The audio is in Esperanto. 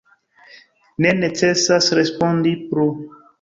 Ne necesas respondi plu!